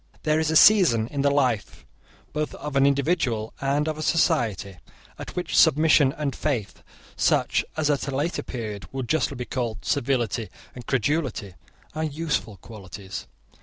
There is a season in the life both of an individual and of a society, at which submission and faith, such as at a later period would be justly called servility and credulity, are useful qualities.